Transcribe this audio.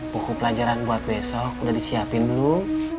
buku pelajaran buat besok udah disiapin belum